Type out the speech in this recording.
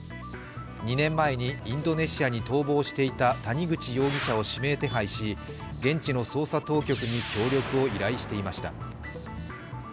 ２年前にインドネシアに逃亡していた谷口容疑者を指名手配し現地の捜査当局に協力を依頼していました。